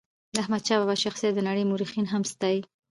د احمد شاه بابا شخصیت د نړی مورخین هم ستایي.